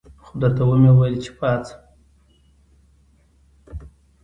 خو درته ومې ویل چې پاڅه.